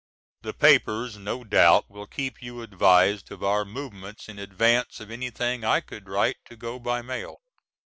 The papers no doubt will keep you advised of our movements in advance of anything I could write to go by mail.